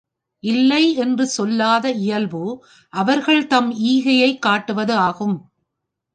இல்லை என்று சொல்லாத இயல்பு அவர்கள்தம் ஈகையைக் காட்டுவது ஆகும்.